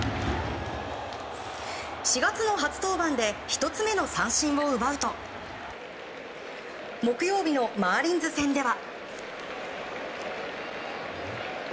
４月の初登板で１つ目の三振を奪うと木曜日のマーリンズ戦では。